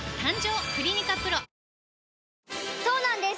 そうなんです